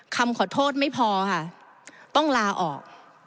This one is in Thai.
คำขอโทษไม่พอค่ะต้องลาออก